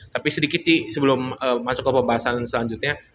tapi sedikit sih sebelum masuk ke pembahasan selanjutnya